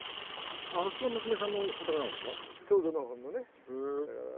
あそこが娘さんのお宅なんですか？